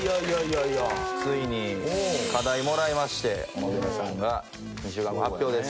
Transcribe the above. ついに課題もらいまして小野寺さんが２週間後発表です。